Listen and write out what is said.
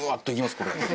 これ。